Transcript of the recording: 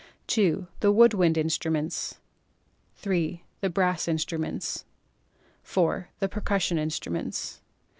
(2) The Wood Wind Instruments. (3) The Brass Instruments. (4) The Percussion Instruments.